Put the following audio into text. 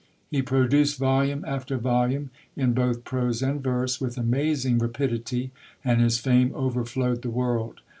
He produced volume after volume, in both prose and verse, with amazing rapidity, and his fame overflowed the world.